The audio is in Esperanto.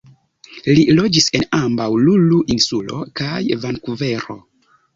Li loĝis en ambaŭ Lulu-insulo kaj Vankuvero.